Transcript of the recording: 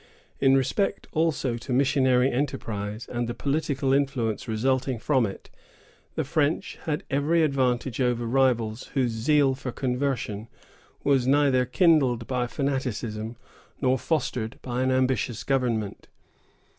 In respect also to missionary enterprise, and the political influence resulting from it, the French had every advantage over rivals whose zeal for conversion was neither kindled by fanaticism nor fostered by an ambitious government.